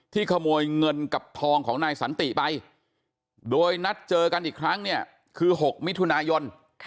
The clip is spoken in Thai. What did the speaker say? ขโมยเงินกับทองของนายสันติไปโดยนัดเจอกันอีกครั้งเนี่ยคือ๖มิถุนายน